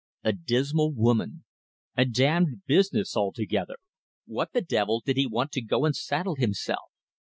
A dismal woman! A damn'd business altogether! What the devil did he want to go and saddle himself.